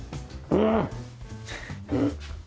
うん。